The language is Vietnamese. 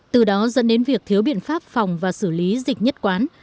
từ đó dẫn đến việc thiếu biện pháp phòng và xử lý dịch nhất quán